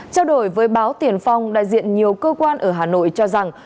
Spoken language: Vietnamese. trao đổi với báo tiền phong đại diện nhiều cơ quan ở hà nội cho rằng